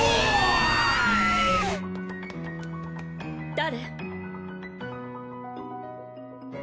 誰？